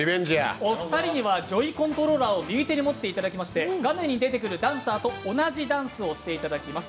お二人にはジョイコントローラーを右手に持っていただきまして、画面に出てくるダンサーと同じダンスをしていただきます。